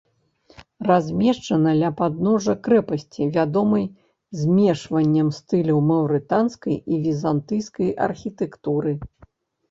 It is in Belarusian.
Размешчана ля падножжа крэпасці, вядомай змешваннем стыляў маўрытанскай і візантыйскай архітэктуры.